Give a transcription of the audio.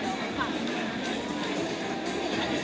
อ่าาา